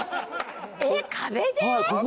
えっ『壁』で？